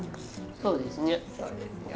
そうですよ。